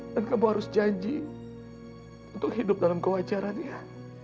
dan kamu harus janji untuk hidup dalam kewajarannya